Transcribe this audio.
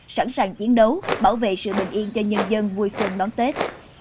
sẵn sàng chiến đấu bảo vệ sự bình yên cho nhân dân vui xuân đón tết